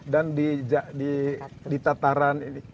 dan di tataran